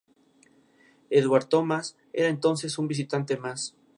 El modo de múltiples ventanas de Samsung está en el centro del dispositivo.